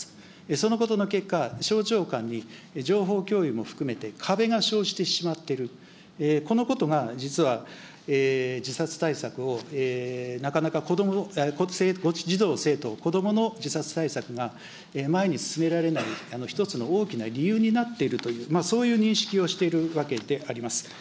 そのことの結果、省庁間に情報共有も含めて、壁が生じてしまっている、このことが、実は自殺対策をなかなか、子ども、児童・生徒、子どもの自殺対策が前に進められない１つの大きな理由になっているという、そういう認識をしているわけであります。